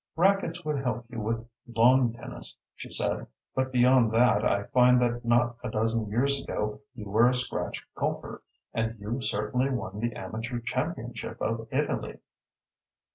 "Racquets would help you with lawn tennis," she said, "but beyond that I find that not a dozen years ago you were a scratch golfer, and you certainly won the amateur championship of Italy."